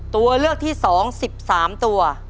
ตัวเลือกที่๒๑๓ตัว